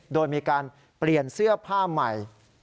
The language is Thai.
โดยมีการเปลี่ยนเสื้อผ้าใหม่